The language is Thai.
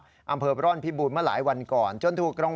แต่พูดกับรายการเรานะ